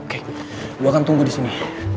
oke gue akan tunggu di sini